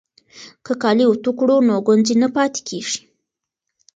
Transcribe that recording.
که کالي اوتو کړو نو ګونځې نه پاتې کیږي.